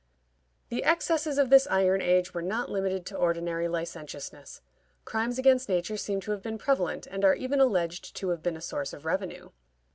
The excesses of this iron age were not limited to ordinary licentiousness; crimes against nature seem to have been prevalent, and are even alleged to have been a source of revenue.